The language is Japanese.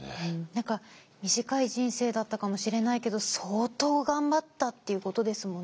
何か短い人生だったかもしれないけど相当頑張ったっていうことですもんね。